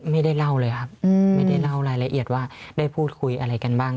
ไม่ได้เล่าเลยครับไม่ได้เล่ารายละเอียดว่าได้พูดคุยอะไรกันบ้าง